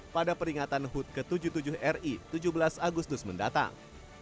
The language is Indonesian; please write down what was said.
pada peringatan hud ke tujuh puluh tujuh ri tujuh belas agustus mendatang